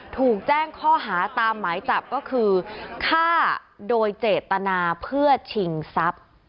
ถูกแจ้งข้อหาตามหมายจับก็คือฆ่าโดยเจตนาเพื่อชิงทรัพย์